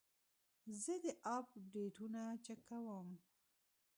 زه د اپ ډیټونه چک کوم.